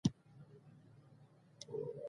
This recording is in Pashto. ځوانان د نوی ټکنالوژی د کارولو مخکښان دي.